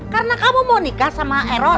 karena kamu mau nikah sama eros